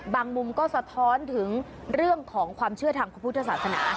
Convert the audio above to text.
มุมก็สะท้อนถึงเรื่องของความเชื่อทางพระพุทธศาสนา